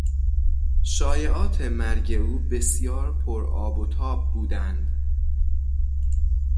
شایعات مرگ او بسیار پر آب و تاب بودند.